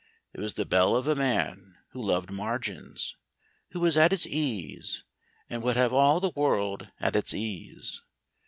It was the bell of a man who loved margins, who was at his ease, and would have all the world at its ease.